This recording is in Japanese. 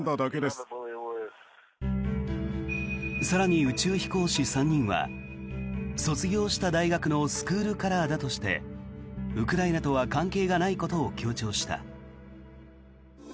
更に宇宙飛行士３人は卒業した大学のスクールカラーだとしてウクライナとは関係がないことを強調した。